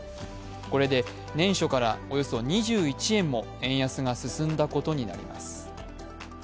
これで年初からおよそ２１円も円安が進んだことになります。